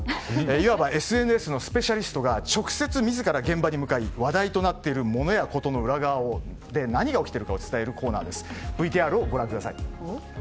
いわばＳＮＳのスペシャリストが直接自ら現場に向かい話題となっているモノ、コトの裏側で何が起きているかを伝えるコーナーです。